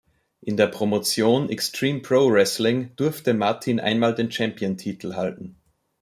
In der Promotion "Xtreme Pro Wrestling" durfte Martin einmal den Champion-Titel halten.